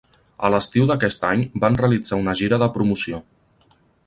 A l'estiu d'aquest any van realitzar una gira de promoció.